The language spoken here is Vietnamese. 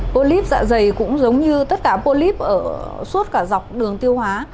polip dạ dày cũng giống như tất cả polip ở suốt cả dọc đường tiêu hóa